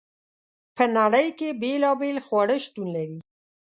په نړۍ کې بیلابیل خواړه شتون لري.